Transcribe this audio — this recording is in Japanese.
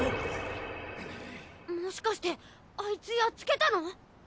もしかしてあいつやっつけたの？